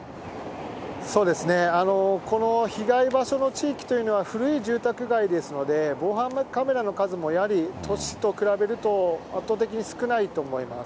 そうですね、この被害場所の地域というのは古い住宅街ですので、防犯カメラの数もやはり都市と比べると圧倒的に少ないと思います。